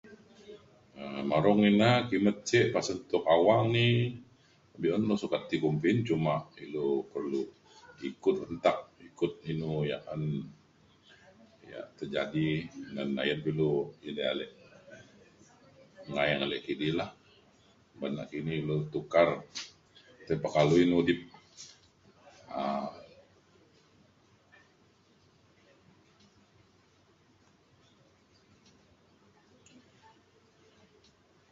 um marong ina kimet ce pasen tuk awang ni be’un lu sukat ti kumbi cuma ilu perlu ikut rentak ikut inu yak an yak terjadi ngan ayen dulu ida ale [unintelligible] kidi lah ban nakini lu tukar tepekalui mudip um